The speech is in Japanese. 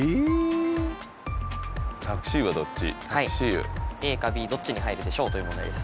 はいＡかＢどっちに入るでしょうという問題です